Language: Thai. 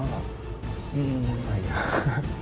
อะไรอ่ะ